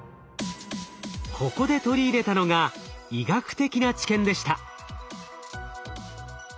ここで取り入れたのが医学的な知見でした。